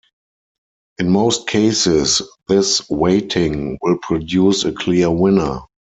In most cases, this weighting will produce a clear winner.